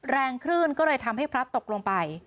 แรงขึ้นก็เลยทำให้พระตกลงไป